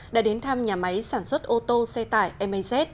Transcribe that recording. đã đến thăm nhà máy sản xuất ô tô xe tải maz